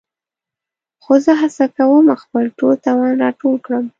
خو زه هڅه کوم خپل ټول توان راټول کړم.